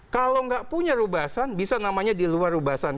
kalau nggak punya rubasan bisa namanya di luar rubasan